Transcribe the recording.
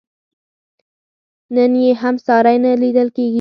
نن یې هم ساری نه لیدل کېږي.